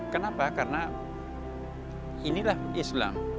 kenapa karena inilah islam